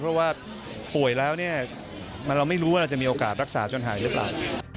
เพราะว่าป่วยแล้วเนี่ยเราไม่รู้ว่าเราจะมีโอกาสรักษาจนหายหรือเปล่า